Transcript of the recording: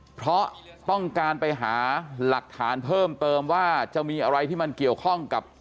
เพราะต้องการไปหาหลักฐานเพิ่มเติมว่าจะมีอะไรที่มันเกี่ยวข้องกับ